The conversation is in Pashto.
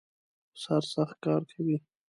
اوس هر سخت کار کوي.